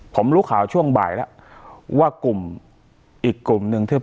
ผมรู้ข่าวช่วงบ่ายแล้วว่ากลุ่มอีกกลุ่มหนึ่งที่